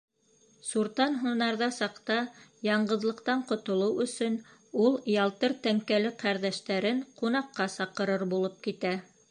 Суртан һунарҙа саҡта яңғыҙлыҡтан ҡотолоу өсөн, ул ялтыр тәңкәле ҡәрҙәштәрен ҡунаҡҡа саҡырыр булып китә.